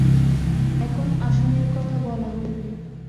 এখন আসনের কথা বলা হইবে।